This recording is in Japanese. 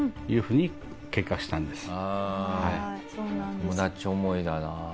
友達思いだな。